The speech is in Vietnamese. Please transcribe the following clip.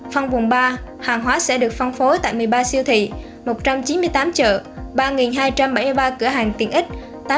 phân vùng ba hàng hóa sẽ được phân phối tại một mươi ba siêu thị một trăm chín mươi tám chợ ba hai trăm bảy mươi ba cửa hàng tiện ích